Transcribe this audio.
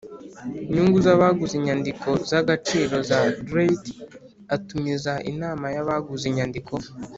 Nyungu z abaguze inyandiko z agaciro za dreit atumiza inama y abaguze inyandiko